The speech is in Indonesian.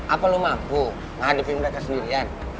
apa lo mampu menghadapi mereka sendirian